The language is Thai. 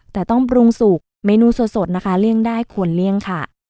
แต่ต้องปรุงสุกเมนูสดนะคะเลี่ยงได้ควรเลี่ยงค่ะ